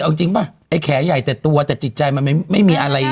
เอาจริงป่ะไอ้แขใหญ่แต่ตัวแต่จิตใจมันไม่มีอะไร